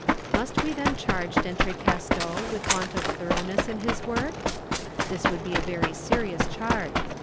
Must we then charge D'Entrecasteaux with want of thoroughness in his work? This would be a very serious charge.